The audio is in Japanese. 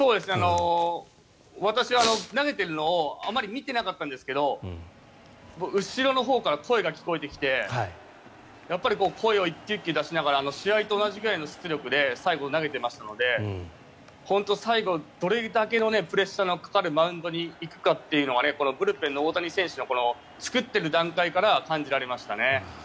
私は投げてるのをあまり見てなかったんですが後ろのほうから声が聞こえてきてやっぱり声を１球１球出しながら試合と同じぐらいの出力で最後、投げてましたので最後、どれだけのプレッシャーのかかるマウンドに行くかというのがブルペンの大谷選手の作っている段階から感じられましたね。